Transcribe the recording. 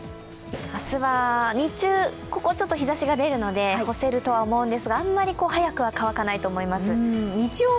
明日は日中、日ざしが出るので干せるとは思うんですが、あんまり早くは乾かないと思います。